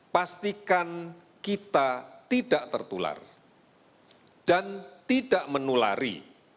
pastikan kita tidak tertular dan tidak menulari